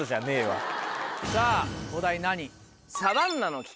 さぁお題何？